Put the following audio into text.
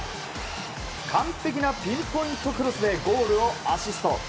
完璧なピンポイントクロスでゴールをアシスト。